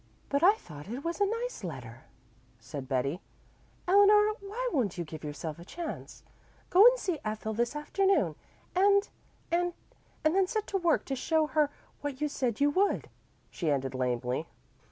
"But I thought it was a nice letter," said Betty. "Eleanor, why won't you give yourself a chance? Go and see Ethel this afternoon, and and then set to work to show her what you said you would," she ended lamely.